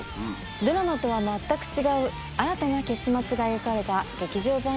ドラマとは全く違う新たな結末が描かれた劇場版は。